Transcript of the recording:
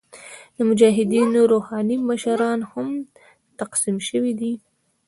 د مجاهدینو روحاني مشران هم تقسیم شوي دي.